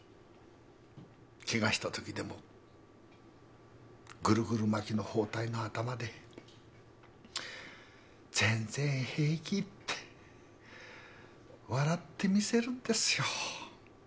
ケガしたときでもグルグル巻きの包帯の頭で「全然平気」って笑ってみせるんですよ。